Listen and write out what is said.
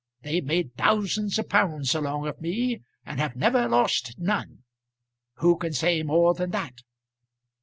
They've made thousands of pounds along of me, and have never lost none. Who can say more than that?